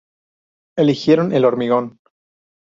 Eligieron el hormigón.